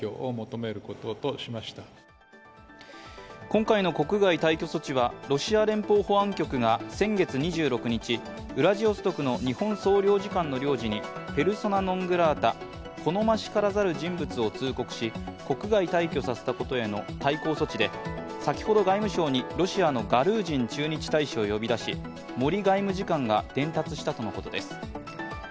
今回の国外退去措置はロシア連邦保安局が先月２６日、ウラジオストクの日本総領事館の領事にペルソナ・ノングラータ＝好ましからざる人物を通告し、国外退去させたことへの対抗措置で先ほど、外務省にロシアのガルージン駐日大使を呼び出し森外務次官が伝達したとのことです。